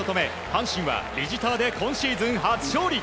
阪神はビジターで今シーズン初勝利。